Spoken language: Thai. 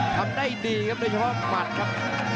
ทำได้ดีครับโดยเฉพาะหมัดครับ